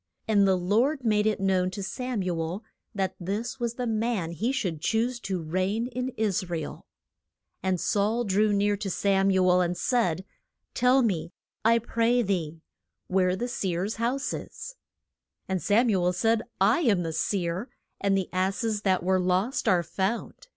And the Lord made it known to Sam u el that this was the man he should choose to reign in Is ra el. And Saul drew near to Sam u el, and said, Tell me, I pray thee, where the seer's house is. And Sam u el said, I am the seer; and the ass es that were lost are found.